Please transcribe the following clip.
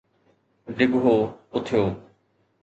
ڊگھو اٿيو